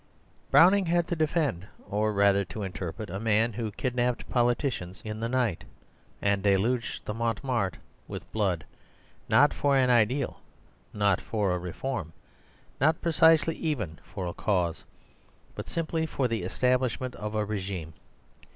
Browning had to defend, or rather to interpret, a man who kidnapped politicians in the night and deluged the Montmartre with blood, not for an ideal, not for a reform, not precisely even for a cause, but simply for the establishment of a régime.